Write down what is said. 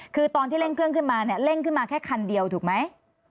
คือตอนที่เร่งเครื่องขึ้นมาเนี่ยเร่งขึ้นมาแค่คันเดียวถูกไหม